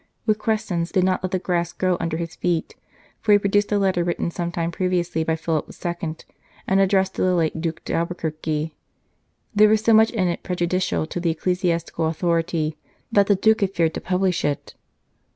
Requesens did not let the grass grow under his feet, for he produced a letter written some time previously by Philip II., and addressed to the late Duke d Albuquerque. There was so much in it prejudicial to the ecclesiastical authority that the Duke had feared to publish it.